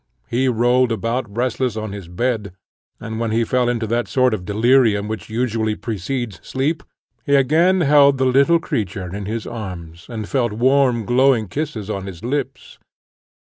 He rolled about restless on his bed, and, when he fell into that sort of delirium which usually precedes sleep, he again held the little creature in his arms, and felt warm glowing kisses on his lips.